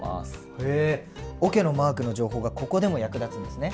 へえおけのマークの情報がここでも役立つんですね。